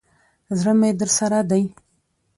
زړه مي درسره دی.